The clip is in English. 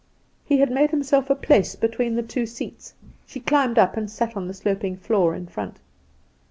He had made himself a place between the two seats. She climbed up and sat on the sloping floor in front.